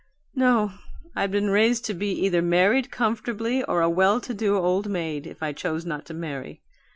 No, I'd been raised to be either married comfortably or a well to do old maid, if I chose not to marry.